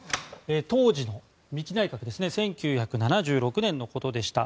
当時の三木内閣ですね１９７６年のことでした。